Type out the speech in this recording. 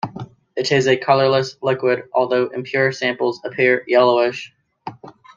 It is a colorless liquid, although impure samples appear yellowish.